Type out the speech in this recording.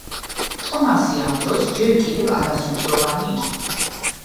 ტომასი ამ დროს ჯერ კიდევ არასრულწლოვანი იყო.